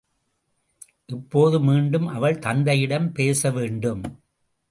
இப்போது மீண்டும் அவள் தந்தையிடம் பேசவேண்டும்.